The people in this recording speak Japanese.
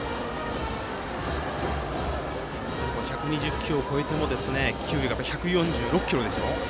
１２０球を超えても球威が１４６キロでしょ。